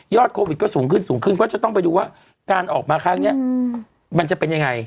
โควิดก็สูงขึ้นสูงขึ้นก็จะต้องไปดูว่าการออกมาครั้งนี้มันจะเป็นยังไง